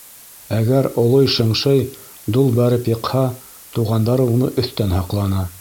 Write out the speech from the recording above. Әгәр олой-шыңшый дол бәреп йыҡһа, туғандары уны өҫтән һаҡланы.